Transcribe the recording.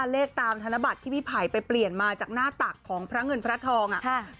เลขตามธนบัตรที่พี่ไผ่ไปเปลี่ยนมาจากหน้าตักของพระเงินพระทอง